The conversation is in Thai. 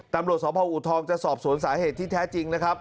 ตำรวจสพอูทองจะสอบสวนสาเหตุที่แท้จริงนะครับ